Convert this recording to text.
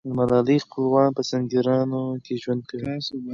د ملالۍ خپلوان په سینګران کې ژوند کوي.